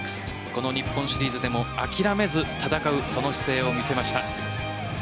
この日本シリーズでも諦めず戦うその姿勢を見せました。